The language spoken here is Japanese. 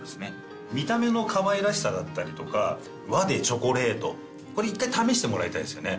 見た目のかわいらしさだったりとか和でチョコレートこれ一回試してもらいたいですよね。